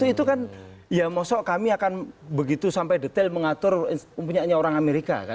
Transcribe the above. itu kan ya maksud kami akan begitu sampai detail mengatur punya orang amerika